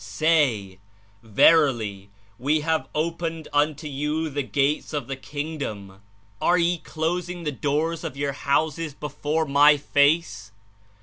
Say: Verily, We have opened unto you the Gates of the Kingdom; are ye closing the door of your houses before My Face?